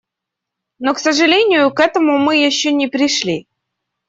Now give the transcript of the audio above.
Но, к сожалению, к этому мы еще не пришли.